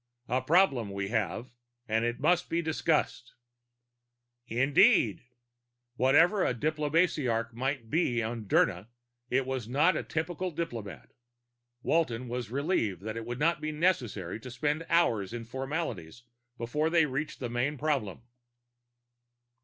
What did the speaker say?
A problem we have, and it must be discussed." "Agreed." Whatever a diplomasiarch might be on Dirna, it was not a typical diplomat. Walton was relieved that it would not be necessary to spend hours in formalities before they reached the main problem.